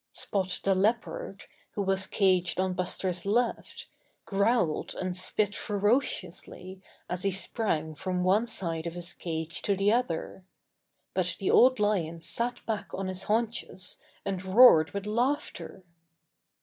Spot the Leopard, who was caged on Buster's left, growled and spit ferociously as he sprang from one side of his cage to the other. But 63 64 Buster the Bear the Old Lion sat back on his haunches and roared with laughter.